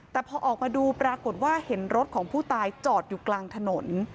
แต่พอออกมาดูปรากฏว่าเห็นรถของผู้ตายจอดอยู่กลางถนน